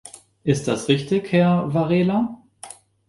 Ist das richtig, Herr Varela?